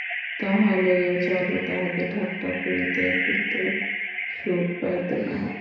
তাহা লইয়া চারু তাহাকে ঠাট্টা করিত কিন্তু সুখ পাইত না।